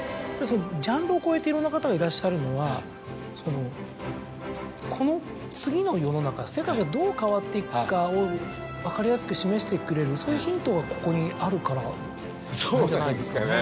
ジャンルを超えていろんな方がいらっしゃるのはこの次の世の中世界がどう変わっていくかを分かりやすく示してくれるそういうヒントがここにあるからじゃないですかね。